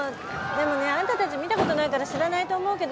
でもねあんたたち見たことないから知らないと思うけどね